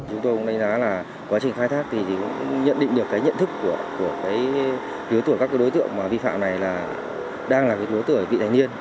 chúng tôi cũng đánh giá là quá trình khai thác thì cũng nhận định được cái nhận thức của các đối tượng vi phạm này là đang là đối tượng vị thành niên